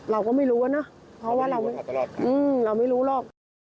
เราก็ไม่รู้ว่านะเพราะว่าเราไม่รู้หรอก